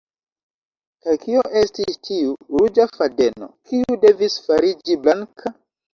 Kaj kio estis tiu “ruĝa fadeno” kiu devis fariĝi blanka?